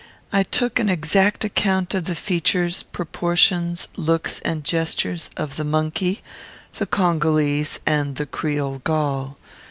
I took an exact account of the features, proportions, looks, and gestures of the monkey, the Congolese, and the Creole Gaul.